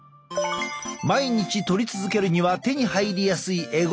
毎日とり続けるには手に入りやすいえ